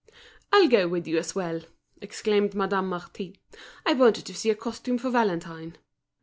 "I'll go with you as well," exclaimed Madame Marty, "I wanted to see a costume for Valentine."